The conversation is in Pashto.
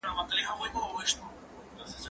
کېدای سي پلان غلط وي